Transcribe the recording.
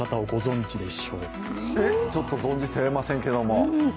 ちょっと存じてませんけども。